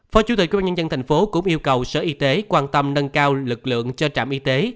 phó chủ tịch quyên bán nhân dân thành phố cũng yêu cầu sở y tế quan tâm nâng cao lực lượng cho trạm y tế